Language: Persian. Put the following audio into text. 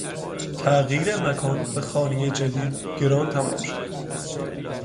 تغییر مکان ما به خانهی جدید گران تمام شد.